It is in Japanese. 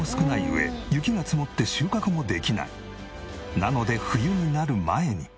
なので冬になる前に。